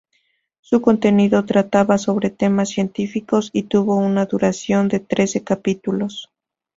Su contenido trataba sobre temas científicos, y tuvo una duración de trece capítulos.